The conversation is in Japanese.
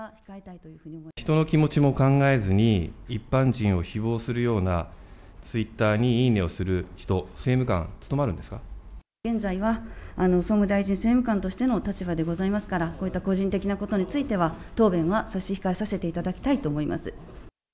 人の気持ちも考えずに、一般人をひぼうするようなツイッターにいいねをする人、政務官、現在は総務大臣政務官としての立場でございますから、こういった個人的なことについては答弁は差し控えさせていただきたいと思います。